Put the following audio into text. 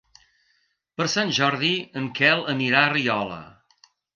Per Sant Jordi en Quel anirà a Riola.